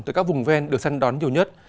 từ các vùng ven được săn đón nhiều nhất